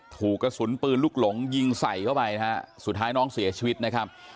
ถูกกระสุนปืนลูกหลงยิงใส่เข้าไปนะฮะสุดท้ายน้องเสียชีวิตนะครับ